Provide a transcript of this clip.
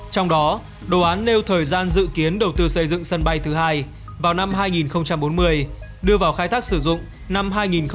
trong đó đồ án nêu thời gian dự kiến đầu tư xây dựng sân bay thứ hai vào năm hai nghìn bốn mươi đưa vào khai thác sử dụng năm hai nghìn một mươi năm